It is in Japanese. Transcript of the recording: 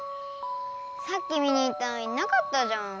さっき見に行ったのになかったじゃん。